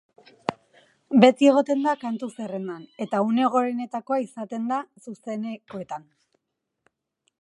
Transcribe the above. Beti egoten da kantu zerrendan, eta une gorenetakoa izaten da zuzenekoetan.